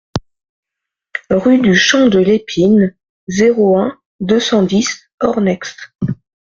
Rue du Champ de l'Épine, zéro un, deux cent dix Ornex